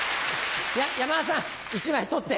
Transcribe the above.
山田さん１枚取って。